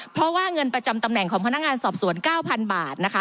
เพราะว่าเงินประจำตำแหน่งของพนักงานสอบสวน๙๐๐บาทนะคะ